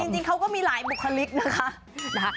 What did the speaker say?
จริงเขาก็มีหลายบุคลิกนะคะ